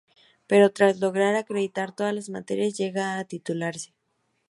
Pero tras lograr acreditar todas las materias llega a titularse.